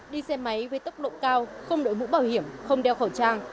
đi xe máy với tốc độ cao không đội mũ bảo hiểm không đeo khẩu trang